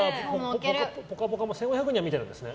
「ぽかぽか」も１５００人見てるんですね。